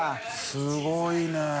すごいな。